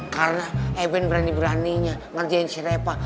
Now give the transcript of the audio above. karena eben berani beraninya ngerjain si reva